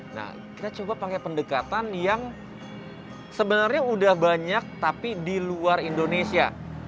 nah kita coba pakai pendekatan yang sebenarnya udah banyak tapi di luar indonesia